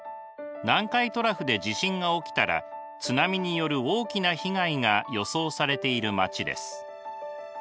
南海トラフで地震が起きたら津波による大きな被害が予想されている町です。